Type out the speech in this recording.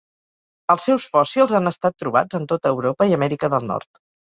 Els seus fòssils han estat trobats en tota Europa i Amèrica del Nord.